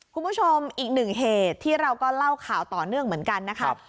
คุณผู้ชมอีกหนึ่งเหตุที่เราก็เล่าข่าวต่อเนื่องเหมือนกันนะครับ